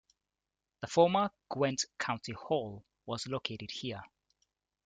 The former Gwent County Hall was located here.